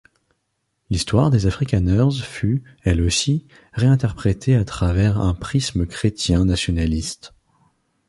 L'histoire des Afrikaners fut, elle aussi, réinterprétée à travers un prisme chrétien-nationaliste.